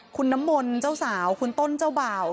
คุณน้ำมนต์เจ้าสาวคุณต้นเจ้าบ่าว